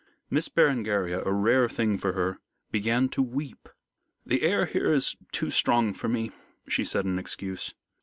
Miss Berengaria, a rare thing for her, began to weep. "The air here is too strong for me," she said in excuse.